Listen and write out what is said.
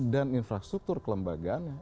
dan infrastruktur kelembaganya